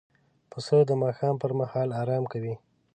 پسه د ماښام پر مهال آرام کوي.